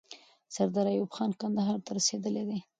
سردار ایوب خان کندهار ته رسیدلی دی.